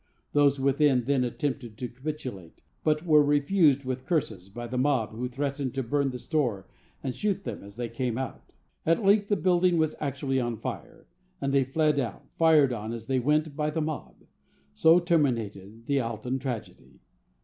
Those within then attempted to capitulate, but were refused with curses by the mob, who threatened to burn the store, and shoot them as they came out. At length the building was actually on fire, and they fled out, fired on as they went by the mob. So terminated the Alton tragedy.